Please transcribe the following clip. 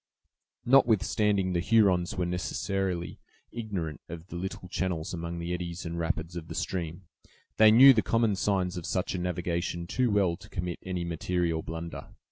Notwithstanding the Hurons were necessarily ignorant of the little channels among the eddies and rapids of the stream, they knew the common signs of such a navigation too well to commit any material blunder.